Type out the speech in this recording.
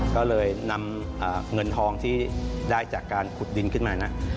ก็เลยนำเงินทองที่ได้จากการขุดดินขึ้นมานะ